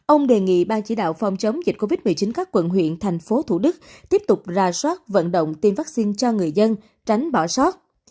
ông đề nghị ban chỉ đạo phòng chống dịch covid một mươi chín các quận huyện thành phố thủ đức tiếp tục ra soát vận động tiêm vaccine cho người dân tránh bỏ sót